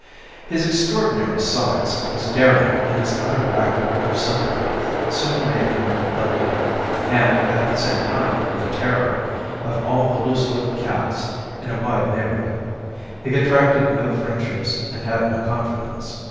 His extraordinary size, his daring, and his utter lack of sympathy soon made him the leader and, at the same time, the terror of all the loose lived cats in a wide neighbourhood. He contracted no friendships and had no confidants.